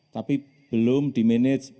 tapi belum di manage